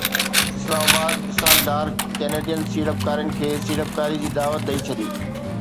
اسلام آباد: اسحاق ڊار ڪينيڊين سيڙپڪارن کي سيڙپڪاري جي دعوت ڏئي ڇڏي